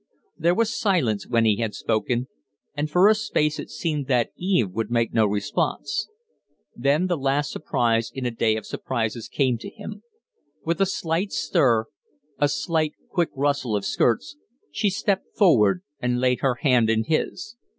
There was silence when he had spoken, and for a space it seemed that Eve would make no response. Then the last surprise in a day of surprises came to him. With a slight stir, a slight, quick rustle of skirts, she stepped forward and laid her hand in his.